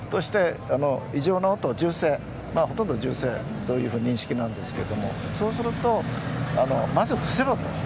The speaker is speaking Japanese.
異常な音、ほとんど銃声という認識なんですがそうするとまずは伏せろと。